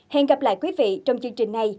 hẹn gặp lại quý vị trong chương trình này